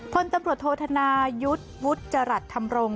พลตำรวจโทษธนายุทธ์วุฒิจรัสธรรมรงค